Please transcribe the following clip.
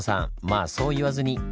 まあそう言わずに！